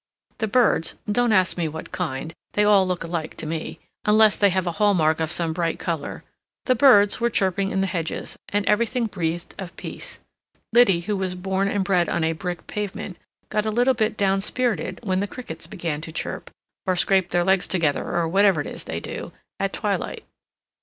The birds—don't ask me what kind; they all look alike to me, unless they have a hall mark of some bright color—the birds were chirping in the hedges, and everything breathed of peace. Liddy, who was born and bred on a brick pavement, got a little bit down spirited when the crickets began to chirp, or scrape their legs together, or whatever it is they do, at twilight.